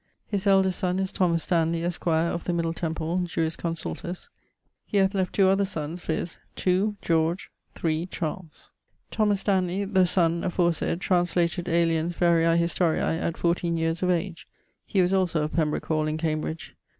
His eldest sonne is Thomas Stanley, esq., of the Middle Temple, jurisconsultus. He hath left two other sonnes, viz. 2. George, 3. Charles. Thomas Stanley, the sonne, aforesayd, translated Aelian's Variae Historiae at 14 yeares of age. He was also of Pembrooke hall in Cambridge.